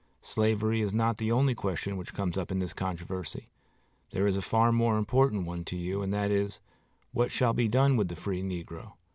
Slavery is not the only question which comes up in this controversy. There is a far more important one to you, and that is, What shall be done with the free negro?...